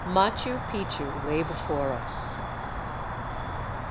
Machu Picchu lay before us.